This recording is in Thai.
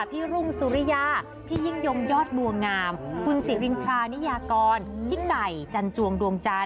รุ่งสุริยาพี่ยิ่งยงยอดบัวงามคุณสิรินทรานิยากรพี่ไก่จันจวงดวงจันท